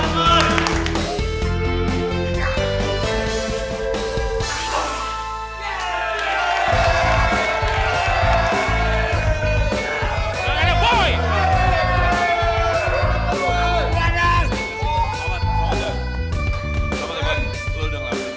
kan semua ada situasi yang sama disini